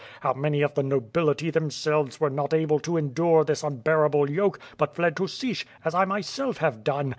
How many of the nobility themselves were not able to endure this unbearable yoke, but fled to Sich, as T myself have done.